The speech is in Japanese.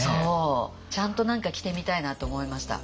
ちゃんと何か着てみたいなと思いました。